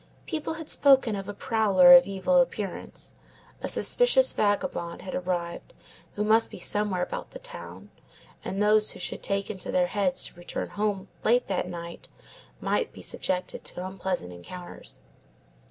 People had spoken of a prowler of evil appearance; a suspicious vagabond had arrived who must be somewhere about the town, and those who should take it into their heads to return home late that night might be subjected to unpleasant encounters.